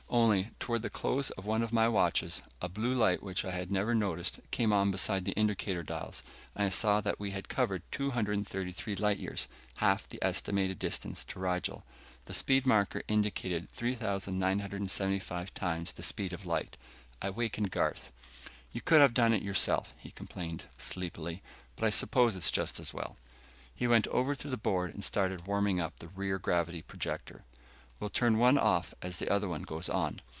Only, toward the close of one of my watches, a blue light which I had never noticed came on beside the indicator dials, and I saw that we had covered 233 light years, half the estimated distance to Rigel. The speed marker indicated 3975 times the speed of light. I wakened Garth. "You could have done it yourself," he complained, sleepily, "but I suppose it's just as well." He went over to the board and started warming up the rear gravity projector. "We'll turn one off as the other goes on.